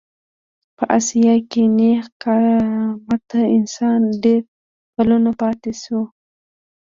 په اسیا کې نېغ قامته انسان ډېر کلونه پاتې شو.